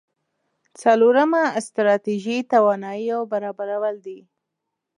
څلورمه ستراتيژي تواناییو برابرول دي.